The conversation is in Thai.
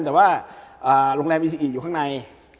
แต่ว่าโรงแรมอีซีอิอยู่ข้างใน